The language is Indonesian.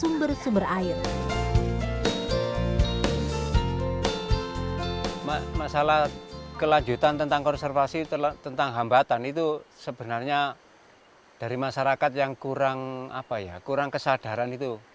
masalah kelanjutan tentang konservasi tentang hambatan itu sebenarnya dari masyarakat yang kurang kesadaran itu